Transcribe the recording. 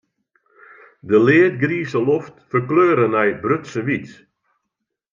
De leadgrize loft ferkleure nei brutsen wyt.